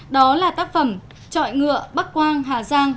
đó là tác phẩm trọi ngựa bắc quang hà giang